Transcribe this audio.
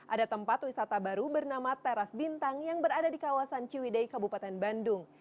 ada tempat wisata baru bernama teras bintang yang berada di kawasan ciwidei kabupaten bandung